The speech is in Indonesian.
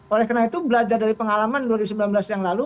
oleh karena itu belajar dari pengalaman dua ribu sembilan belas yang lalu